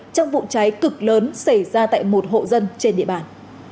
trong vụ cháy cực lớn xảy ra tại một hộ dân trên địa bàn